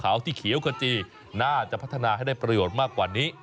เขาที่เขียวขจีน่าจะพัฒนาให้ได้ประโยชน์มากกว่านี้